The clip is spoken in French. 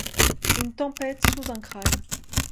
Une tempête sous un crâne